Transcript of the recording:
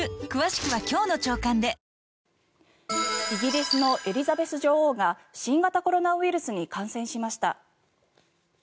イギリスのエリザベス女王が新型コロナウイルスに感染しました。